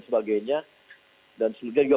sebagainya dan seluruhnya juga